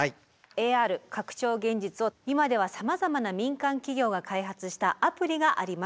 ＡＲ拡張現実を今ではさまざまな民間企業が開発したアプリがあります。